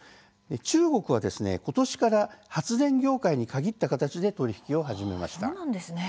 中国はことしから発電業界に限った形で取引を始めました。